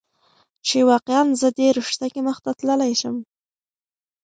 چې واقعا زه دې رشته کې مخته تللى شم.